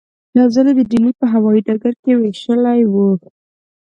یو ځل یې د ډیلي په هوايي ډګر کې وېشلې وې.